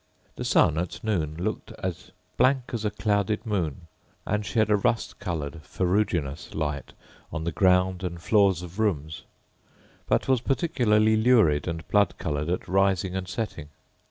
The sun, at noon, looked as blank as a clouded moon, and shed a rust coloured ferruginous light on the ground, and floors of rooms; but was particularly lurid and blood coloured at rising and setting.